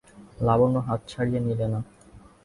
লাবণ্য হাত ছাড়িয়ে নিলে না।